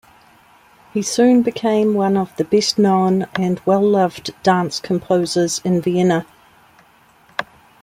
He soon became one of the best-known and well loved dance composers in Vienna.